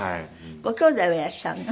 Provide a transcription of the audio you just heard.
ごきょうだいはいらっしゃるの？